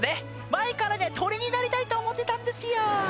前からね鳥になりたいと思ってたんですよ